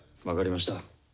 分かりました。